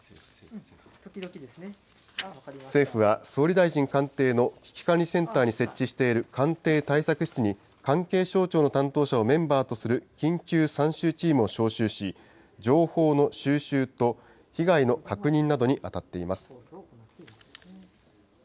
政府は、総理大臣官邸の危機管理センターに設置している官邸対策室に、関係省庁の担当者をメンバーとする緊急参集チームを招集し、情報の収集と被害の確認などに当たっています。